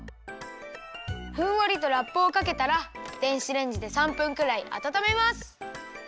ふんわりとラップをかけたら電子レンジで３分くらいあたためます。